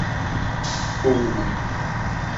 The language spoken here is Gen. Kpoo.